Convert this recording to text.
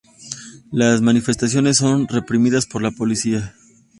Las manifestaciones son reprimidas por la policía.